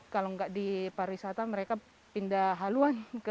kalau nggak di pariwisata mereka pindah haluan ke pertanian sama nelayan